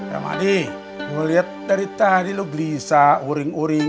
nah dah mulai ada barang barang nih